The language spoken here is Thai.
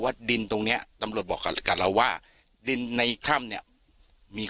ดินตรงเนี้ยตำรวจบอกกับเราว่าดินในถ้ำเนี่ยมี